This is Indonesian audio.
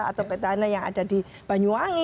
atau petahana yang ada di banyuwangi